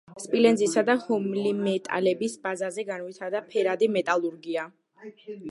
სპილენძისა და პოლიმეტალების ბაზაზე განვითარდა ფერადი მეტალურგია.